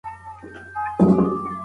علمي څیړنو لپاره ځانګړي بودیجه وه.